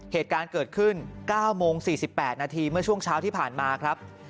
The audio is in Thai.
เหตุการณ์เกิดขึ้น๙โมง๔๘นาทีเมื่อช่วงเช้าที่ผ่านมาครับ